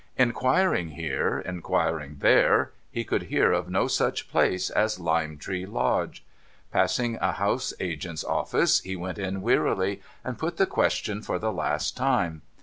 Infjuiring here, inquiring there, he could hear of no such pjlace as Lime Tree Lodge. Passing a house agent's office, he went in wearily, and put the question for the last time.